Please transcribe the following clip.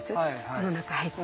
この中入って。